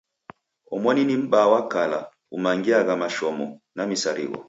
Omoni ni M'baa wa kala umangiagha mashomo na misarigho.